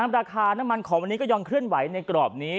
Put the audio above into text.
ราคาน้ำมันของวันนี้ก็ยังเคลื่อนไหวในกรอบนี้